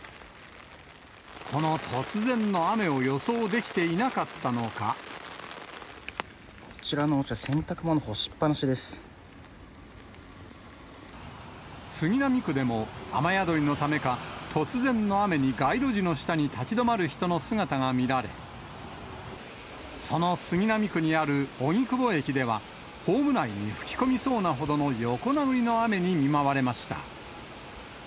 この突然の雨を予想できていこちらのおうちは洗濯物、杉並区でも、雨宿りのためか、突然の雨に街路樹の下に立ち止まる人の姿が見られ、その杉並区にある荻窪駅では、ホーム内に吹き込みそうなほどの横殴りの雨に見舞われました。